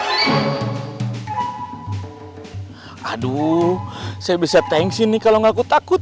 hai aduh saya bisa tengsin nih kalau nggak ku takut